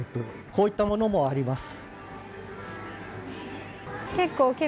こういったものもあります。